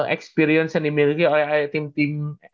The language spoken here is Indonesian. experience yang dimiliki oleh tim tim